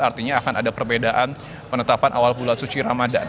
artinya akan ada perbedaan penetapan awal bulan suci ramadan